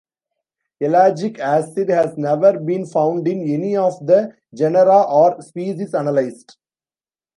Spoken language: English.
Ellagic acid has never been found in any of the genera or species analysed.